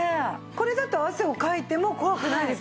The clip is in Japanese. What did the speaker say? これだと汗をかいても怖くないですもんね。